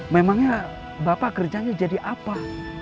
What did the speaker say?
memangnya bapak kerjanya jadi apa